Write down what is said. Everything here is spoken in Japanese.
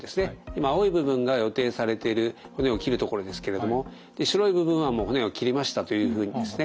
今青い部分が予定されている骨を切る所ですけれども白い部分はもう骨が切れましたというふうにですね